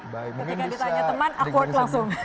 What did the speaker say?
ketika ditanya teman aku langsung